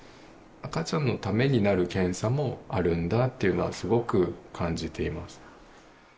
赤ちゃんのためになる検査もあるんだっていうのは、すごく感じています。